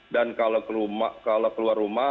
dan kalau keluar rumah